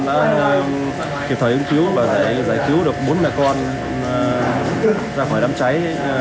đã kịp thời ứng cứu và giải cứu được bốn mẹ con ra khỏi đám cháy